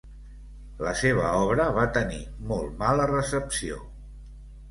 La seva obra va tenir molt mala recepció.